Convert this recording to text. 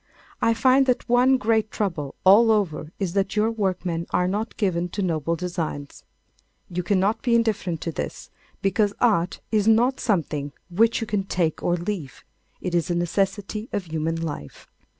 I find that one great trouble all over is that your workmen are not given to noble designs. You cannot be indifferent to this, because Art is not something which you can take or leave. It is a necessity of human life.